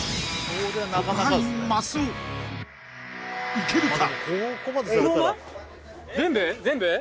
いけるか？